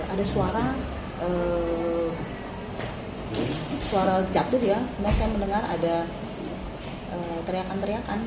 ada suara jatuh saya mendengar ada teriakan teriakan